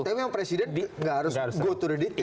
tapi yang presiden gak harus mengerti itu ya